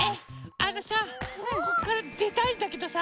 あのさここからでたいんだけどさ